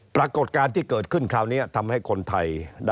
ปรากฏการณ์ที่เกิดขึ้นคราวนี้ทำให้คนไทย